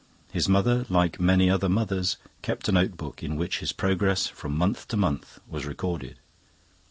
His mother, like many other mothers, kept a notebook, in which his progress from month to month was recorded.